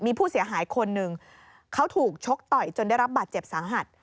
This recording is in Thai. มีผู้เสียหายคนหนึ่งเขาถูกชกต่อยจนได้รับบาดเจ็บสาหัส